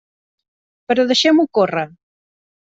Però deixem-ho córrer.